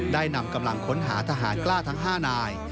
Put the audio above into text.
ได้นำกำลังค้นหาทหารกล้าทั้ง๕นาย